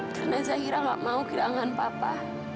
karena zahira gak mau kehilangan papa